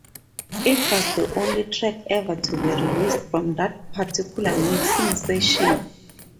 It was the only track ever to be released from that particular mixing session.